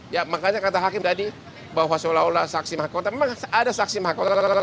ya makanya kata hakim tadi bahwa seolah olah saksi mahkota memang ada saksi mahkota